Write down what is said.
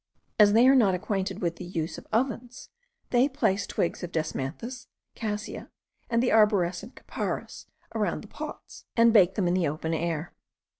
As they are not acquainted with the use of ovens, they place twigs of desmanthus, cassia, and the arborescent capparis, around the pots, and bake them in the open air.